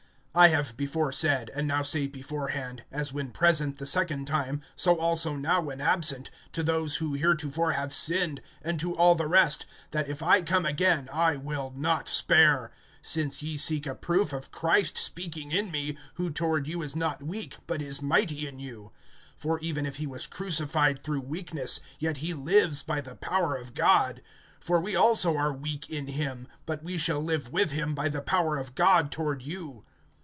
(2)I have before said, and now say beforehand, as when present the second time, so also now when absent, to those who heretofore have sinned, and to all the rest, that if I come again I will not spare; (3)since ye seek a proof of Christ speaking in me, who toward you is not weak, but is mighty in you. (4)For even if he was crucified through weakness, yet he lives by the power of God. For we also are weak in him, but we shall live with him by the power of God toward you.